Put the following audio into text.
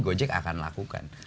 gojek akan lakukan